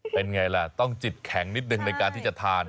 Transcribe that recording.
เป็นไงล่ะต้องจิตแข็งนิดนึงในการที่จะทาน